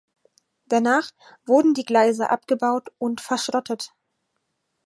Danach wurden die Gleise abgebaut und verschrottet.